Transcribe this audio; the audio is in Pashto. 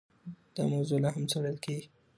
دا موضوع لا هم څېړل کېږي.